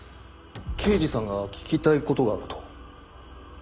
刑事さんが聞きたい事があると。